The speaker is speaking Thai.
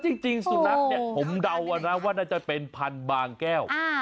แต่จริงสู่นักเนี้ยผมเดานะว่าจะเป็นพันบางแก้ว